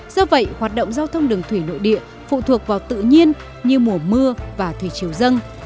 do vậy hoạt động giao thông đường thủy nội địa phụ thuộc vào tự nhiên như mùa mưa và thủy chiều dân